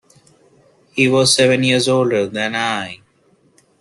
He was seven years older than I.